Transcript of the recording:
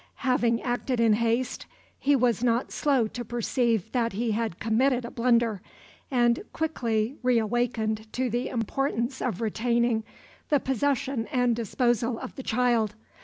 Having acted in haste, he was not slow to perceive that he had committed a blunder, and quickly reawakened to the importance of retaining the possession and disposal of the child.